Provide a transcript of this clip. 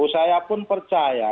saya pun percaya